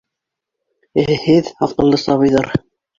Ә һеҙ, һаҡаллы сабыйҙар...